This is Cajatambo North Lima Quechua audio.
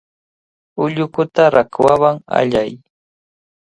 Ullukuta rakwawan allay.